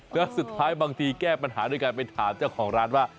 แล้วสุดท้ายบางทีแก้ปัญหาด้วยการไปถามเจ้าของร้านว่า